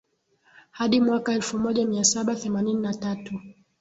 hadi mwaka elfumoja miasaba themanini na tatu